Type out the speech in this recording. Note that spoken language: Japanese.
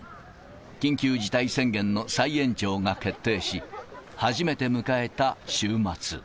緊急事態宣言の再延長が決定し、初めて迎えた週末。